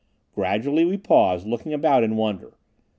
Gradually we paused, looking about in wonder.